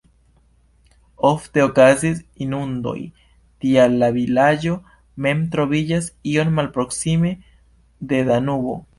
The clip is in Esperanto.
Ofte okazis inundoj, tial la vilaĝo mem troviĝas iom malproksime de Danubo.